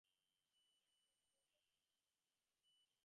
Zeeman received the following awards for his contributions.